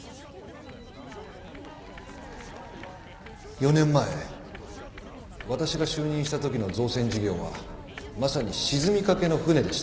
４年前私が就任したときの造船事業はまさに沈みかけの船でした。